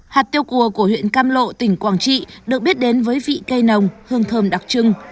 hạt tiêu cua của huyện cam lộ tỉnh quảng trị được biết đến với vị cây nồng hương thơm đặc trưng